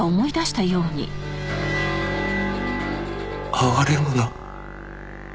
哀れむな。